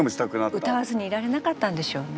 うたわずにいられなかったんでしょうね。